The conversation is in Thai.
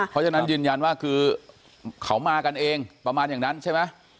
เพราะฉะนั้นยืนยันว่าคือเขามากันเองประมาณอย่างนั้นใช่ไหม